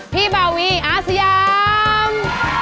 พี่บาวีอาสยาม